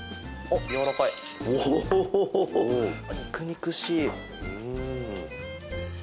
肉肉しい。